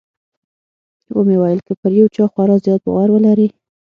ومې ويل که پر يو چا خورا زيات باور ولرې.